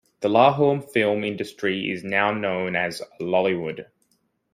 The Lahore film industry is now known as Lollywood.